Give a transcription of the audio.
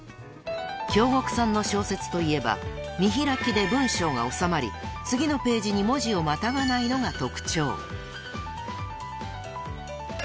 ［京極さんの小説といえば見開きで文章が収まり次のページに文字をまたがないのが特徴］